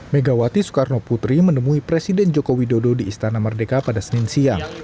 megawati soekarno putri menemui presiden joko widodo di istana merdeka pada senin siang